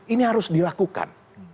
ini harus dilakukan